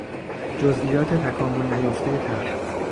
جزئیات تکامل نیافتهی طرح